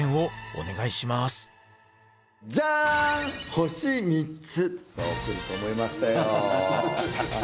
星３つ！